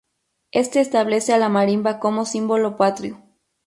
Este establece a la marimba como símbolo patrio.